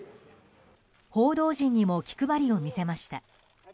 報道陣にも気配りを見せました。